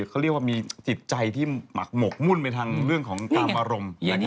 เขาเรียกว่ามีจิตใจที่หมักหมกมุ่นไปทางเรื่องของตามอารมณ์